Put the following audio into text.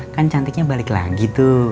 kan cantiknya balik lagi tuh